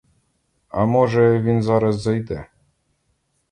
А може, він зараз зайде?